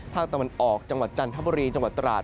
ภาคตะวันออกจังหวัดจันทบุรีจังหวัดตราด